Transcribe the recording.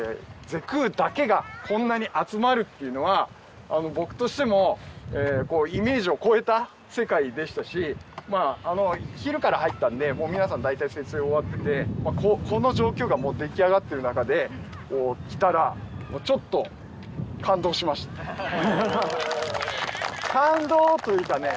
ゼクーだけがこんなに集まるっていうのは僕としてもイメージを超えた世界でしたしまぁ昼から入ったんでもう皆さん大体設営終わっててこの状況がもう出来上がってる中で来たらちょっと感動しました感動というかね